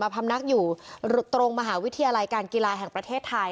พำนักอยู่ตรงมหาวิทยาลัยการกีฬาแห่งประเทศไทย